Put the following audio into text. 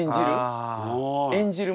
演じる。